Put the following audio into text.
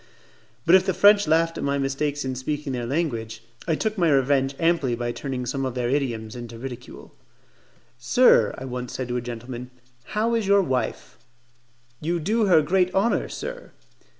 But if the French laughed at my mistakes in speaking their language, I took my revenge amply by turning some of their idioms into ridicule. "Sir," I once said to a gentleman, "how is your wife?" "You do her great honour, sir."